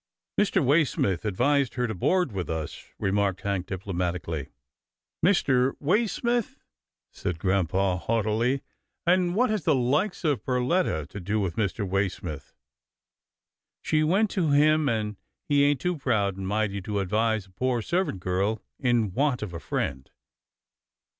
" Mr. Waysmith advised her to board with us," remarked Hank diplomatically. " Mr. Waysmith," said grampa, haughtily, " and what has the likes of Perletta to do with Mr. Waysmith? "" She went to him, and he ain't too proud and mighty to advise a poor servant girl in want of a friend."